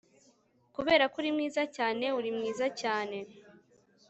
Kuberako uri mwiza cyane Uri mwiza cyane